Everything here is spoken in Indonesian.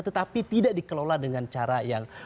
tetapi tidak dikelola dengan cara yang